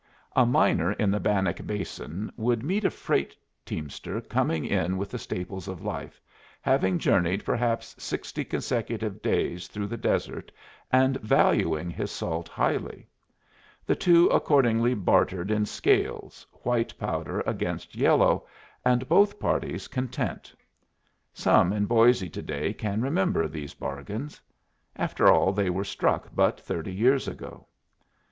A miner in the Bannock Basin would meet a freight teamster coming in with the staples of life, having journeyed perhaps sixty consecutive days through the desert, and valuing his salt highly. The two accordingly bartered in scales, white powder against yellow, and both parties content. Some in Boisé to day can remember these bargains. After all, they were struck but thirty years ago.